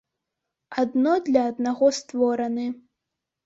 Адно для аднаго створаны.